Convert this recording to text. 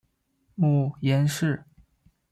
母颜氏。